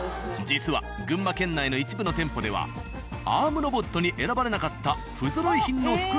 実は群馬県内の一部の店舗ではアームロボットに選ばれなかった不ぞろい品の袋詰めを販売。